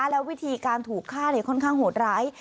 และวิธีการถูกฆ่าค่อนข้างโหดร้าย